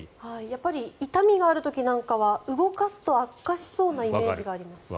やっぱり痛みがある時なんかは動かすと悪化しそうなイメージがあります。